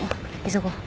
急ごう。